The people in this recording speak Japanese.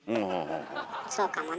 そうかもね。